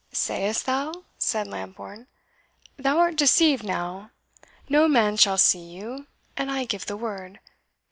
"Sayest thou?" said Lambourne. "Thou art deceived now no man shall see you, an I give the word.